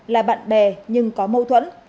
là bạn bè nhưng có mâu thuẫn